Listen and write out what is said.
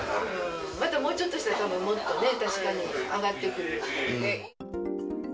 またもうちょっとしたら、もっとね、確かに、上がってくるし。